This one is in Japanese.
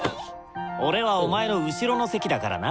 俺はお前の後ろの席だからな。